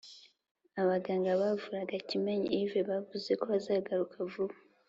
abaganga bavuraga kimenyi yves bavuze ko azagaruka vuba